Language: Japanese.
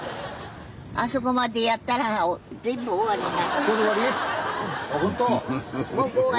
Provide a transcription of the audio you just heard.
あそこまでやったら全部終わりな。